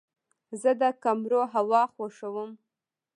زه د کمرو هوا خوښوم.